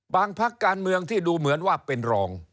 พักการเมืองที่ดูเหมือนว่าเป็นรอง